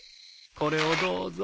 これをどうぞ。